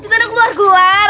di sana keluar keluar